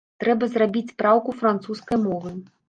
Трэба зрабіць праўку французскай мовы.